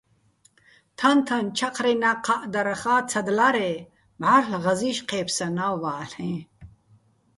თაჼ-თაჼ ჩაჴრენა́ ჴა́ჸდარახა́ ცადლარე́ მჵარლ' ღაზი́შ ჴე́ფსანა́ ვალ'ეჼ.